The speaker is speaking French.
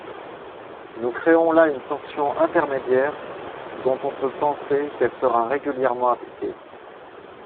Nous créons là une sanction intermédiaire dont on peut penser qu’elle sera régulièrement appliquée.